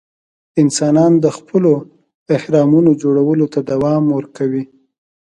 انسانان د خپلو اهرامونو جوړولو ته دوام ورکوي.